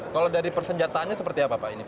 kalau dari persenjataannya seperti apa pak